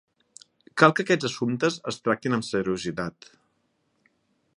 Cal que aquests assumptes es tractin amb seriositat.